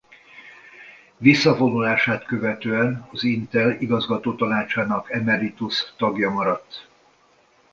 Visszavonulását követően az Intel igazgatótanácsának emeritus tagja maradt.